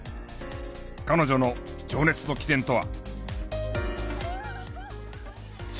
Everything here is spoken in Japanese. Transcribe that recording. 彼女の情熱の起点とは？